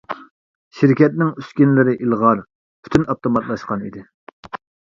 شىركەتنىڭ ئۈسكۈنىلىرى ئىلغار، پۈتۈن ئاپتوماتلاشقان ئىدى.